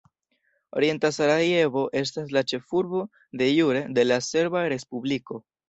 Orienta Sarajevo estas la ĉefurbo "de jure" de la Serba Respubliko.